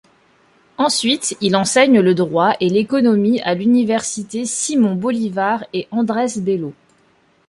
Ensuite, il enseigne le droit et l'économie à l'université Simon Bolivar et Andrés Bello.